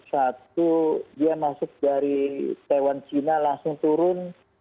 satu dia masuk dari tewan cina langsung turun